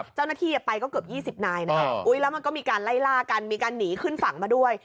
เจ้าหน้าที่ไปก็เกือบ๒๐นายนะครับแล้วมันก็มีการไล่ล่ากันมีการหนีขึ้นฝั่งมาด้วย